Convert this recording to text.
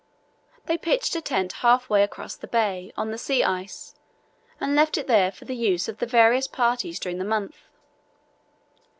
They pitched a tent half way across the bay, on the sea ice, and left it there for the use of the various parties during the month.